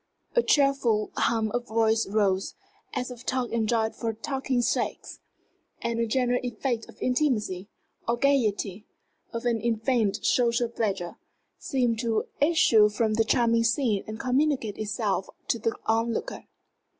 A cheerful hum of voices rose, as of talk enjoyed for talking's sake; and a general effect of intimacy, or gayety, of an unfeigned social pleasure, seemed to issue from the charming scene and communicate itself to the onlooker.